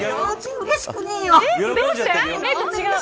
うれしくねえよ。